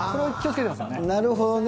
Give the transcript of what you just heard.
なるほどね。